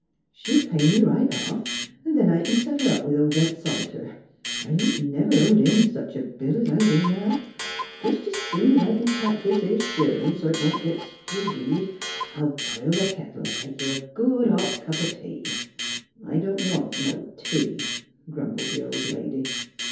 She'll pay me right off, 'n' then I c'n settle up with Obed Salter. I ain't never owed him sech a bill 's I do now. Jes' 's soon 's I c'n tack this 'ere shirrin' so 't wont git skewgeed I'll bile th' kettle 'n' make you a good hot cup o' tea." " I don't want no tea," grumbled the old lady.